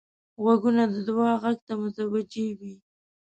غوږونه د دعا غږ ته متوجه وي